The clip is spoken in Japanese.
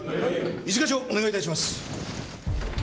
一課長お願い致します。